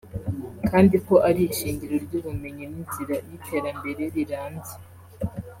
kandi ko ari ishingiro ry’ubumenyi n’inzira y’iterambere rirambye